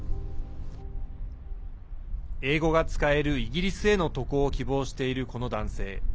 英語が使えるイギリスへの渡航を希望している、この男性。